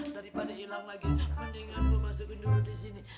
daripada hilang lagi mendingan gue masukin dulu di sini